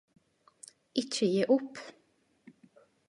Ikkje gi opp!